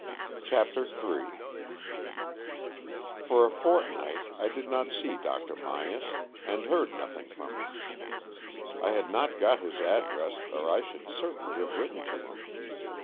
CHAPTER III For a fortnight I did not see Dr. Myas, and heard nothing from him. I had not got his address, or I should certainly have written to him.